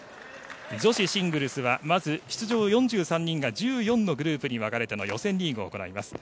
女子シングルスはまず出場４３人が１４のグループに分かれての予選リーグを行います。